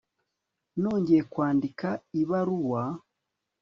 Nongeye kwandika ibaruwa